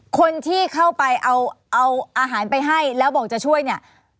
คนที่เข้าไปเอาอาหารไปให้แล้วบอกจะช่วยเนี่ย